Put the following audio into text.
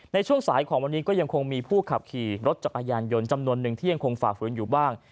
ในช่วงสายของวันนี้ก็ยังคงมีผู้ขับขี่รถจักรยานยนต์จำนวนหนึ่งที่ยังคงฝ่าฝืนอยู่บ้าง